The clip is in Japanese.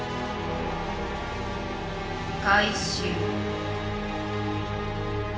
回収。